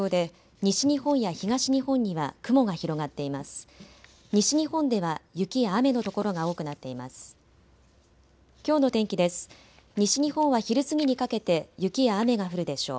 西日本は昼過ぎにかけて雪や雨が降るでしょう。